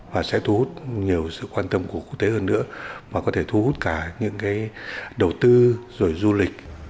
và sẽ thu hút nhiều người